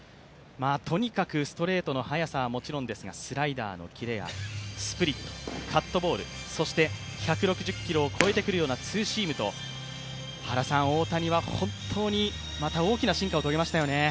とにかくストレートの速さはもちろんですがスライダーのキレやスプリット、カットボール、そして１６０キロを超えてくるようなツーシームと大谷はまた大きな進化を遂げましたよね。